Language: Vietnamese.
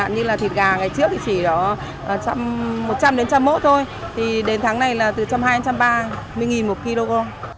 như là thịt gà ngày trước chỉ một trăm linh đến một trăm linh mẫu thôi đến tháng này là một trăm hai mươi một trăm ba mươi nghìn một kg